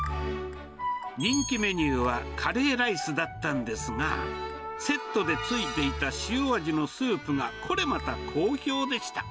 人気メニューはカレーライスだったんですが、セットでついていた塩味のスープが、これまた好評でした。